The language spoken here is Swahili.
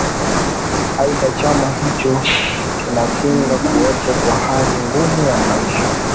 aidha chama hicho kinapinga kuwapo kwa hali ngumu ya maisha